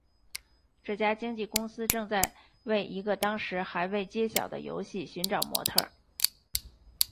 这家经纪公司正在为一个当时还未揭晓的游戏寻找模特儿。